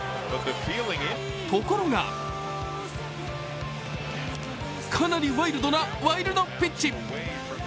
ところが、かなりワイルドなワイルドピッチ。